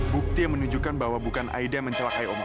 bukti yang menunjukkan bahwa bukan aida yang mencelakai omah